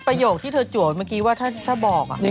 ประโยคที่เธอจวดเมื่อกี้ว่าถ้าบอก